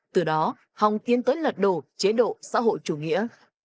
từ đó hồng tiến tới lật đổ chế độ xã hội chủ nghĩa